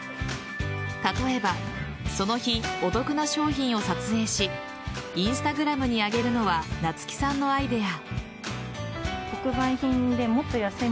例えばその日、お得な商品を撮影しＩｎｓｔａｇｒａｍに上げるのは夏生さんのアイデア。